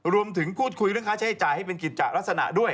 รวมถึงพูดคุยเรื่องค่าใช้จ่ายให้เป็นกิจจะลักษณะด้วย